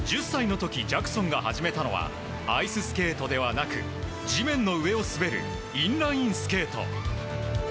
１０歳の時ジャクソンが始めたのはアイススケートではなく地面の上を滑るインラインスケート。